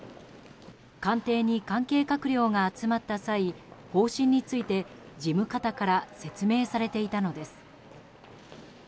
官邸に関係閣僚が集まった際方針について事務方から説明されていたのです。